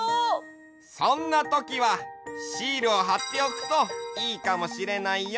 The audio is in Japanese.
そんなときはシールをはっておくといいかもしれないよ。